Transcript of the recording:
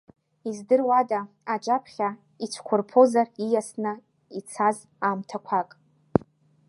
Издыруада, аҿаԥхьа ицәқәырԥозар ииасны ицаз аамҭақәак?